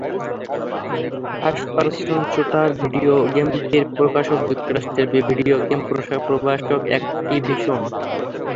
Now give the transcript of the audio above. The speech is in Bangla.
ফার্স্ট পারসন শুটার ভিডিও গেমটির প্রকাশক যুক্তরাষ্ট্রের ভিডিও গেম প্রকাশক অ্যাকটিভিশন।